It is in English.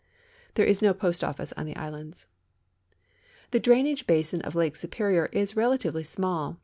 There is no post office on the islands. The drainage basin of Lake Superior is relatively small.